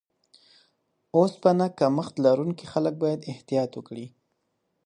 اوسپنه کمښت لرونکي خلک باید احتیاط وکړي.